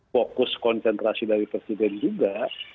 fokus konsentrasi dari presiden juga